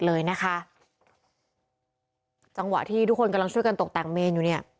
เลยนะคะจังหวะที่ทุกคนกำลังช่วยกันตกแต่งเมนอยู่เนี่ย